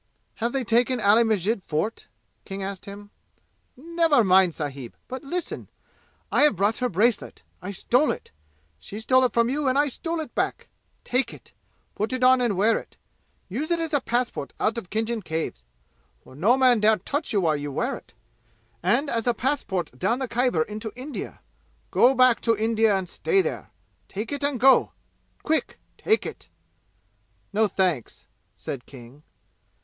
"Have they taken Ali Masjid Fort?" King asked him. "Never mind, sahib, but listen! I have brought her bracelet! I stole it! She stole it from you, and I stole it back! Take it! Put it on and wear it! Use it as a passport out of Khinjan Caves for no man dare touch you while you wear it and as a passport down the Khyber into India! Go back to India and stay there! Take it and go! Quick! Take it!" "No, thanks!" said King.